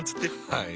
はい。